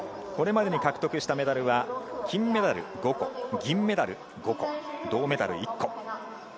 これまでに獲得したメダルは金メダル５個、銀メダル５個、銅メダル１個。